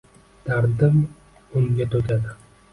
Dardin unga to’kadi.